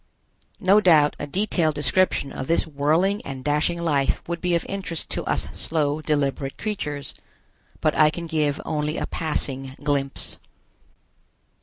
No doubt a detailed description of this whirling and dashing life would be of interest to us slow, deliberate creatures. But I can give only a passing glimpse.